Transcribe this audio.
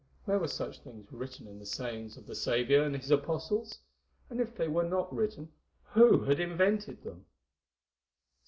Where were such things written in the sayings of the Saviour and His Apostles? And if they were not written, who had invented them?